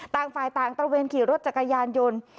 ต่างฝ่ายต่างตระเวนขี่รถจักรยานยนต์